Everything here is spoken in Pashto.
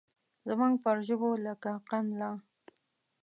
زموږ پر ژبو لکه قند لا